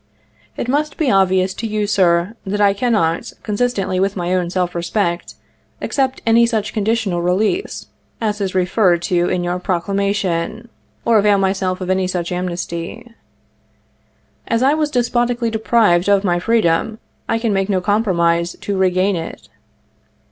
It must be obvious to you, Sir, that I cannot, con sistently with my own self respect, accept any such conditional release as is referred to in your Proclamation, or avail myself of such amnesty. As I was despotically deprived of my freedom, I can make no compro mise to regain it.